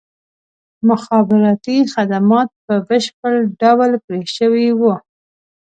مخابراتي خدمات په بشپړ ډول پرې شوي وو.